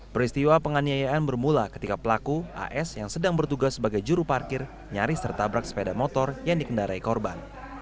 peristiwa penganiayaan bermula ketika pelaku as yang sedang bertugas sebagai juru parkir nyaris tertabrak sepeda motor yang dikendarai korban